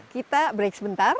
kita break sebentar